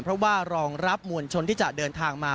เพราะว่ารองรับมวลชนที่จะเดินทางมา